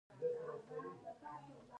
د غنمو درمند ماشینونه شته